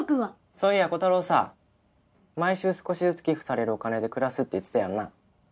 そういやコタローさ毎週少しずつ寄付されるお金で暮らすって言ってたよな？